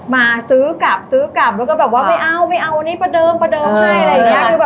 มาซื้อกลับซื้อกลับแล้วก็แบบว่าไม่เอาไม่เอานี่ประเดิมประเดิมให้